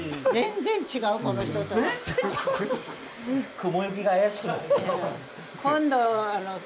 雲行きが怪しくなってきたな。